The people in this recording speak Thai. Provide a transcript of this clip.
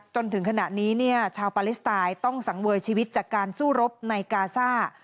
จนถึงขณะนี้ชาวปาเลสไตน์ต้องสังเวยชีวิตจากการสู้รบในกาซ่า